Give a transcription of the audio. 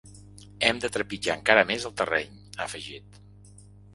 Hem de trepitjar encara més el terreny, ha afegit.